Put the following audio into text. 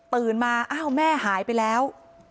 ตื่นมาเอ้าแม่หายไปแล้ว